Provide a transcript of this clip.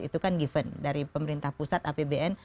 itu kan given dari pemerintah pusat apbn